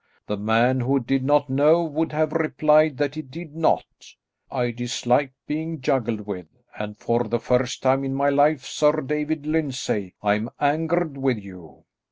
The man who did not know would have replied that he did not. I dislike being juggled with, and for the first time in my life, Sir David Lyndsay, I am angered with you."